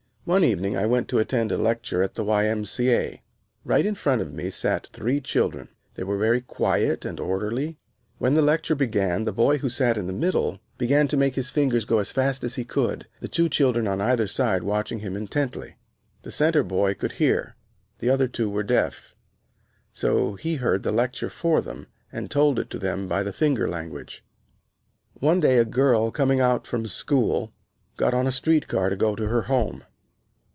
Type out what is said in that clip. One evening I went to attend a lecture in the Y.M.C.A. Right in front of me sat three children. They were very quiet and orderly. When the lecture began the boy who sat in the middle began to make his fingers go as fast as he could, the two children on either side watching him intently. That center boy could hear, the other two were deaf. So he heard the lecture for them and told it to them by the finger language. One day a girl, coming out from school, got on a street car to go to her home.